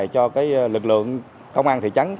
cho lực lượng công an thị trấn